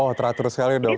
oh teratur sekali dok